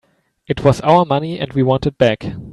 It was our money and we want it back.